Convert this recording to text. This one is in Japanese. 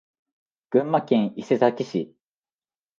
群馬県伊勢崎市